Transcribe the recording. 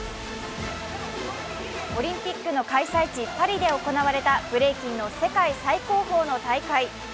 オリンピックの開催地・パリで行われたブレイキンの世界最高峰の大会。